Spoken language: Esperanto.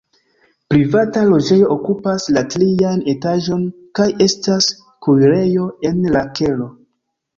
Privata loĝejo okupas la trian etaĝon kaj estas kuirejo en la kelo.